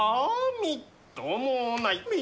みっともない。